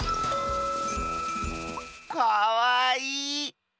かわいい！